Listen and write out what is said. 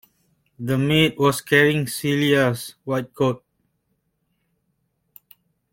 The maid was carrying Celia's white coat.